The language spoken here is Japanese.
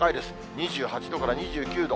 ２８度から２９度。